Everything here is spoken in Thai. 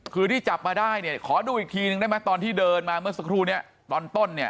คือที่จับมาได้เนี่ยขอดูอีกทีนึงได้ไหมตอนที่เดินมาเมื่อสักครู่นี้ตอนต้นเนี่ย